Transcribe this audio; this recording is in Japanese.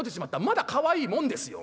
まだかわいいもんですよ。